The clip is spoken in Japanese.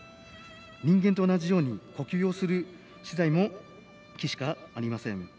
人間と同じように呼吸をする資材も木しかありません。